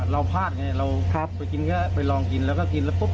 เราพลาดไงเราไปลองกินหรือกินแล้วก็กินันปุ๊บ